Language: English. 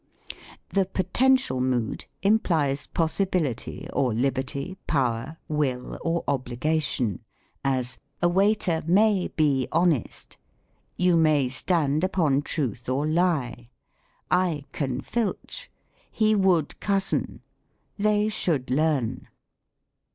The Potential Mood implies possibility or liberty, power, will, or obligation : as, " A waiter may be hon est. You may stand upon truth or lie. I can filch. He would cozen. They should learn."